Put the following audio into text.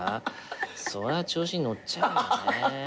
そりゃ調子に乗っちゃうよね。